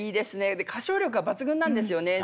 で歌唱力が抜群なんですよね。